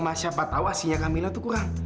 aslinya kamila tuh kurang